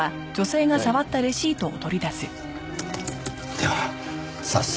では早速。